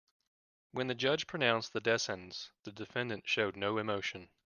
When the judge pronounced the death sentence, the defendant showed no emotion.